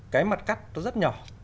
cái mặt cắt nó rất nhỏ